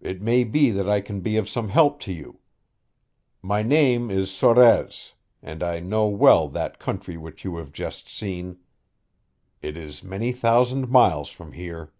It may be that I can be of some help to you. My name is Sorez and I know well that country which you have just seen. It is many thousand miles from here."